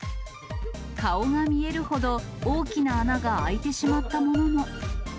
顔が見えるほど大きな穴が開いてしまったものも。